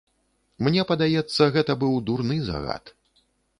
Мне падаецца, гэта быў дурны загад.